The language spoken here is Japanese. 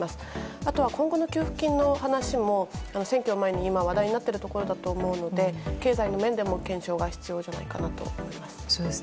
あとは今後の給付金の話も選挙の前に今、話題になってると思うので、経済の面でも検証が必要じゃないかなと思います。